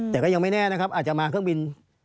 แต่ก็ยังไม่แน่นะครับอาจจะมาเครื่องบิน